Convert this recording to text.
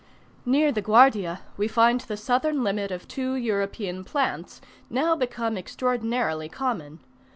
Near the Guardia we find the southern limit of two European plants, now become extraordinarily common.